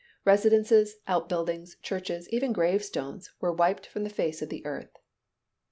Residences, out buildings, churches, even grave stones were wiped from the face of the earth.